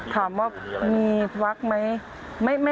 ถามว่ามีวักไหม